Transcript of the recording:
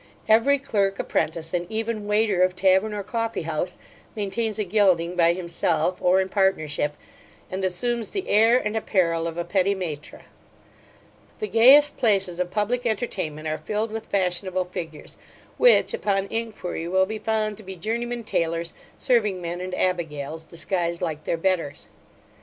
Every clerk, apprentice, and even waiter of tavern or coffeehouse, maintains a gelding by himself, or in partnership, and assumes the air and apparel of a petit maitre The gayest places of public entertainment are filled with fashionable figures; which, upon inquiry, will be found to be journeymen taylors, serving men, and abigails, disguised like their betters.